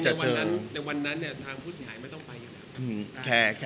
ถ้าเอาจริงแล้วครับแขกก็